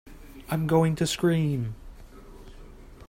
I'm going to scream!